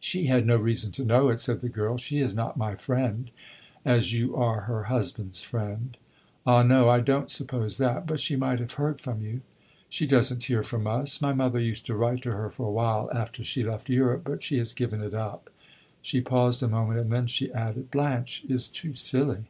"She had no reason to know it," said the girl. "She is not my friend as you are her husband's friend." "Ah no, I don't suppose that. But she might have heard from you." "She does n't hear from us. My mother used to write to her for a while after she left Europe, but she has given it up." She paused a moment, and then she added "Blanche is too silly!"